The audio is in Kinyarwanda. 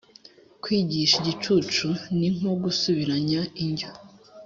Kwigisha igicucu ni nko gusubiranya injyo,